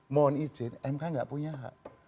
mohon izin mk nggak punya hak